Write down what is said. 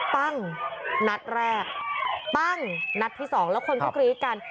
บ้างนะแรกบ้างนับที่๒แล้วคนขอกรี๊ดกัน